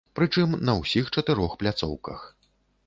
Пры чым на ўсіх чатырох пляцоўках.